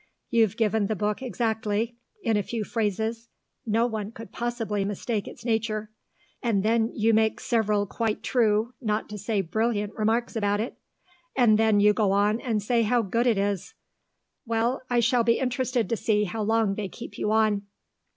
You've given the book exactly, in a few phrases no one could possibly mistake its nature and then you make several quite true, not to say brilliant remarks about it and then you go on and say how good it is.... Well, I shall be interested to see how long they keep you on."